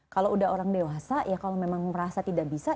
kalau udah orang dewasa ya kalau memang merasa tidak bisa